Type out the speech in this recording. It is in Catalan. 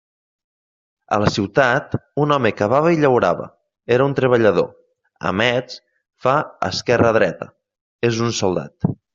A la ciutat, un home cavava i llaurava: era un treballador; a Metz, fa «esquerra, dreta»: és un soldat.